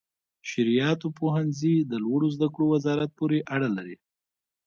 شرعیاتو پوهنځي د لوړو زده کړو وزارت پورې اړه لري.